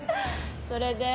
それで？